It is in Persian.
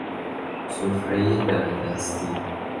سفره دم دستی